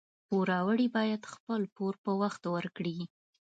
پوروړي باید خپل پور په وخت ورکړي